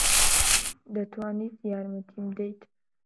دەتوانیت یارمەتیم بدەیت؟